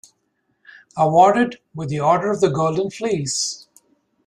Awarded with the Order of the Golden Fleece.